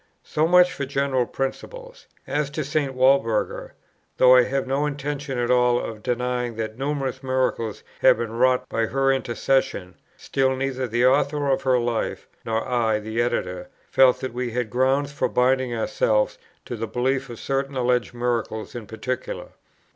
So much for general principles; as to St. Walburga, though I have no intention at all of denying that numerous miracles have been wrought by her intercession, still, neither the Author of her Life, nor I, the Editor, felt that we had grounds for binding ourselves to the belief of certain alleged miracles in particular.